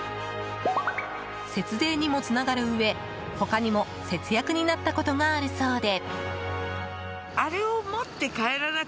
節税にもつながるうえ、他にも節約になったことがあるそうで。